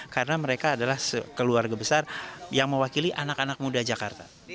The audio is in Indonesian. karena mereka adalah keluarga besar yang mewakili anak anak muda jakarta